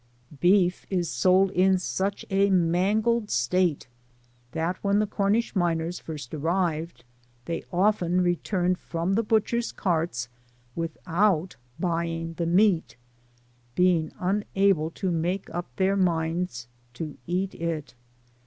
Beef is sold in such a mangled state, that when the Cornish miners first arrived, they often returned from the butchers' carts without buying the meat, being unable to make up their minds to Digitized by Google CONCLUSION. 301 eat it.